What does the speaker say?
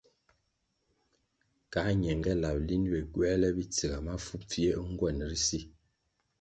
Ka ñenge lab linʼ ywe gywēle bitsiga mafu pfie o ngwenʼ ri si,